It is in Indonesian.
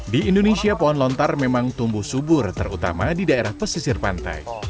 di indonesia pohon lontar memang tumbuh subur terutama di daerah pesisir pantai